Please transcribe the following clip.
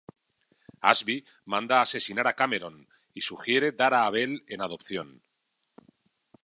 Ashby manda asesinar a Cameron y sugiere dar a Abel en adopción.